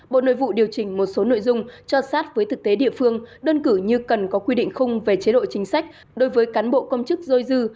bộ nội vụ điều chỉnh một số nội dung cho sát với thực tế địa phương đơn cử như cần có quy định khung về chế độ chính sách đối với cán bộ công chức dôi dư